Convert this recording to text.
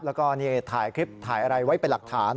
แล้วก็นี่ถ่ายคลิปถ่ายอะไรไว้เป็นหลักฐาน